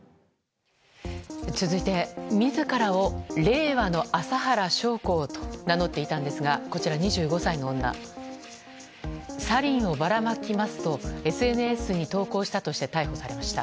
続いて自らを令和の麻原彰晃と名乗っていたんですがこちら２５歳の女サリンをばらまきますとＳＮＳに投稿したとして逮捕されました。